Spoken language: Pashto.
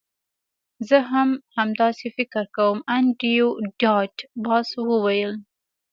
زه هم همداسې فکر کوم انډریو ډاټ باس وویل